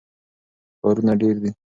کارونه ډېر دي.